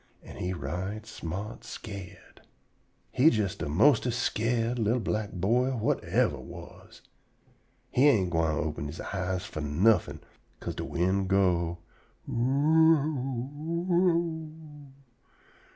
An' he right smart scared. He jes de mostest scared li'l black boy whut yever was. He ain't gwine open he eyes fo' nuffin', 'ca'se de wind go, "You you o o o!"